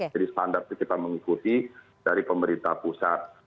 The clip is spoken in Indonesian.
jadi standar itu kita mengikuti dari pemerintah pusat